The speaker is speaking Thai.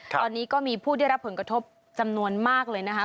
ตอนนี้ก็มีผู้ได้รับผลกระทบจำนวนมากเลยนะคะ